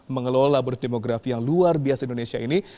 mengelola bonus demografi yang luar biasa indonesia ini